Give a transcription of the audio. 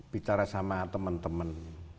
bicara sama teman teman